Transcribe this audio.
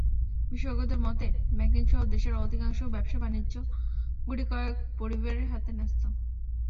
বিশেষজ্ঞদের মতে, ব্যাংকিংসহ দেশের অধিকাংশ ব্যবসা বাণিজ্য গুটিকয়েক পরিবারের হাতে ন্যস্ত।